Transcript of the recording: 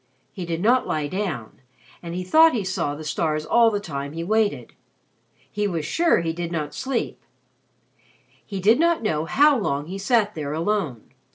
He did not lie down, and he thought he saw the stars all the time he waited. He was sure he did not sleep. He did not know how long he sat there alone.